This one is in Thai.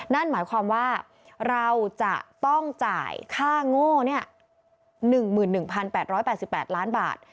นั่นหมายความว่าเราจะต้องจ่ายค่าโง่๑๑๘๘ล้านบาท